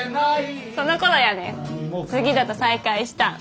そのころやで杉田と再会したん。